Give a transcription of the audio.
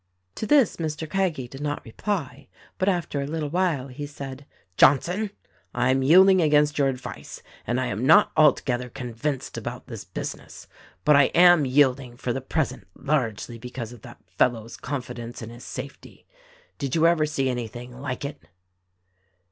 To this M r. Craggie did not reply ; but after a little while he said, "Johnson, I am yielding, against your advice, and I am not altogether convinced about this business ; but I am yielding for the present largely because of that fel low's confidence in his safetv. Did you ever see anything like it?"